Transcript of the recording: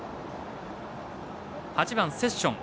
８番セッション。